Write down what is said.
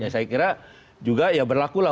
saya kira juga berlaku lah